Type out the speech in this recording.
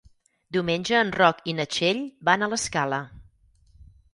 Diumenge en Roc i na Txell van a l'Escala.